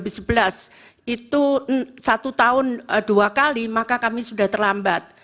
ketika kita menetapkan dua kali maka kami sudah terlambat